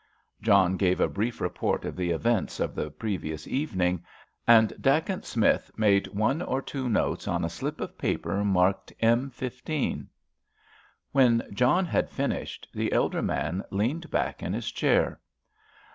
John gave a brief report of the events of the previous evening, and Dacent Smith made one or two notes on a slip of paper marked M. 15. When John had finished, the elder man leaned back in his chair.